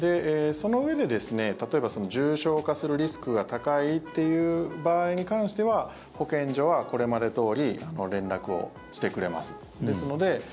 そのうえで、例えば重症化するリスクが高いという場合に関しては保健所はこれまでどおり連絡をしてくれます。